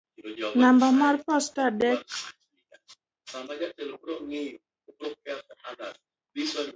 namba mar posta adek Manda jaduong' Ali wi wach; gwela e skul